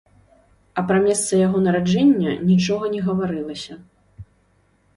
А пра месца яго нараджэння нічога не гаварылася.